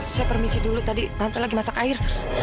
saya permisi dulu tadi nanti lagi masak air